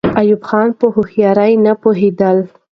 ایوب خان په هوښیارۍ نه پوهېدل.